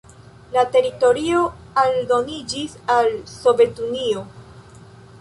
La teritorio aldoniĝis al Sovetunio.